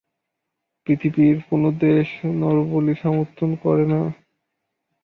পৃথিবীর কোন দেশ নরবলি সমর্থন করে না।